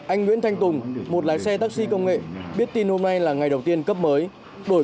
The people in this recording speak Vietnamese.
anh nguyễn thanh tùng một lái xe taxi công nghệ biết tin hôm nay là ngày đầu tiên cấp mới đổi